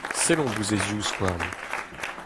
Sellomp ouzh e zivskouarn…